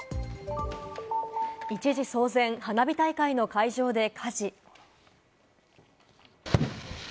一時騒然、花火大会の会場で火事。